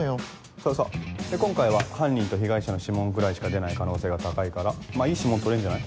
そうそうで今回は犯人と被害者の指紋くらいしか出ない可能性が高いからまぁいい指紋採れんじゃない？